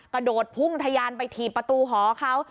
กระโดดพุ่งทะยานไปถีบประตูหอเขา